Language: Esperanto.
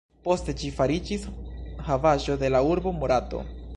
Poste ĝi fariĝis havaĵo de la urbo Morato.